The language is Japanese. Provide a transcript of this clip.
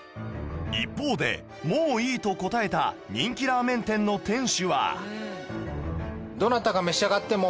一方で「もういい」と答えた人気ラーメン店の店主は